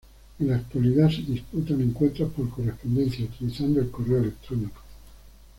En la actualidad se disputan encuentros por correspondencia utilizando el correo electrónico.